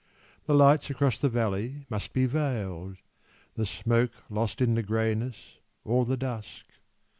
The lights across the valley must be veiled, The smoke lost in the greyness or the dusk.